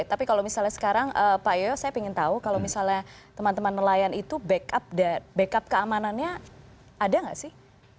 tapi kalau misalnya sekarang pak yoyo saya ingin tahu kalau misalnya teman teman nelayan itu backup keamanannya ada nggak sih